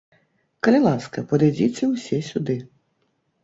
Калі ласка, падыдзіце ўсе сюды!